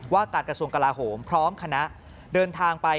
ว่าการกระทรวงกลาโหมพร้อมคณะเดินทางไป